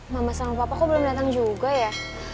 mama sama papa kok belum datang juga ya